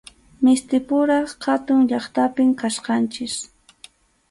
Mistipura hatun llaqtapim kachkanchik.